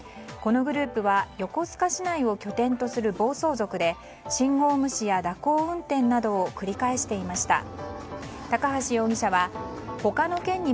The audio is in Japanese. このグループは横須賀市内を拠点とする暴走族で信号無視や蛇行運転などを繰り返していました。